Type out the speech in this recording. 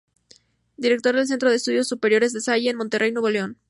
Director del Centro de Estudios Superiores La Salle, en Monterrey, Nuevo León.